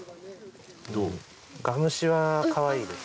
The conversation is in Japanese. ガムシはかわいいです。